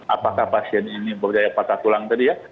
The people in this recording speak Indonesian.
apakah pasien ini berdaya patah tulang tadi ya